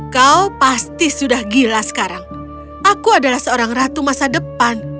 kau pasti sudah gila sekarang aku adalah seorang ratu masa depan